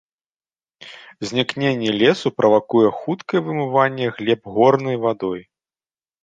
Знікненне лесу правакуе хуткае вымыванне глеб горнай вадой.